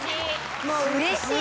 もううれしい！